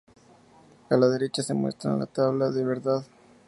A la derecha se muestra la tabla de verdad.